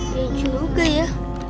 ya juga ya